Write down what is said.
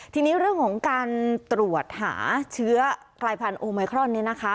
ทีนี้เรื่องของการตรวจหาเชื้อกลายพันธุไมครอนเนี่ยนะคะ